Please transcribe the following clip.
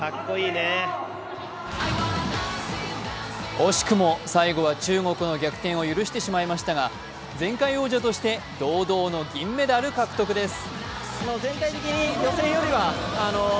惜しくも最後は中国の逆転を許してしまいましたが前回王者として堂々の銀メダル獲得です。